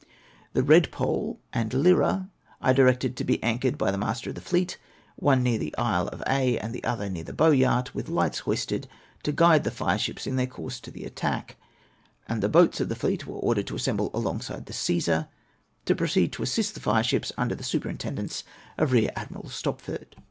The Redpole and Lyra I directed to be anchored by the Master of theFleet (one near the Isle of Aix, and the other near the Boyart), with lights hoisted, to guide the fireships in their course to the attack ; and the boats of the fleet were ordered to assemble alongside the Ccesar, to proceed to assist the fire ships, under the superintendence of Rear Admiral Stopford.